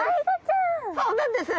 そうなんです。